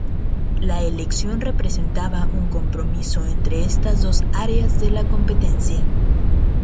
La elección representaba un compromiso entre estas dos áreas de la competencia.